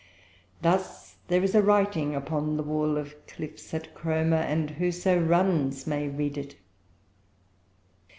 Thus there is a writing upon the wall of cliffs at Cromer, and whoso runs may read it.